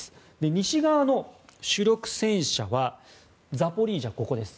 西側の主力戦車はザポリージャ、ここです